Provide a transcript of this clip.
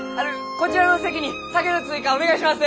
こちらの席に酒の追加お願いします！